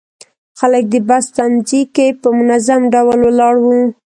خلک د بس تمځي کې په منظم ډول ولاړ وو.